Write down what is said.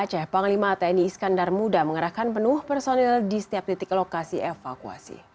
cahepang lima atn di iskandar muda mengerahkan penuh personil di setiap titik lokasi evakuasi